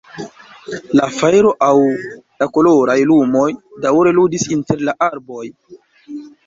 La fajro aŭ la koloraj lumoj daŭre ludis inter la arboj.